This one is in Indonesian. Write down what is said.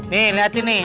nih lihat ini